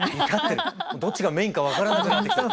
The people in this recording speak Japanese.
どっちがメインが分からなくなってきてると。